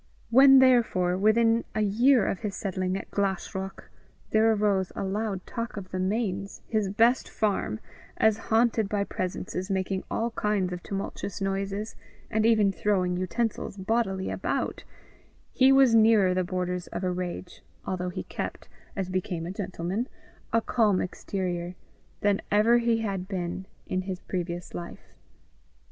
When, therefore, within a year of his settling at Glashruach, there arose a loud talk of the Mains, his best farm, as haunted by presences making all kinds of tumultuous noises, and even throwing utensils bodily about, he was nearer the borders of a rage, although he kept, as became a gentleman, a calm exterior, than ever he had been in his life.